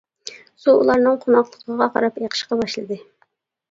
سۇ ئۇلارنىڭ قوناقلىقىغا قاراپ ئېقىشقا باشلىدى.